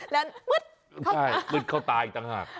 แล้วมืดใช่มืดเข้าตาอีกต่างหาก